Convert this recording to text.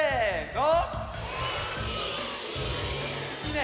いいね！